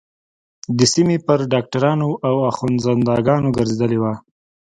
د سيمې پر ډاکترانو او اخوندزاده گانو گرځېدلې وه.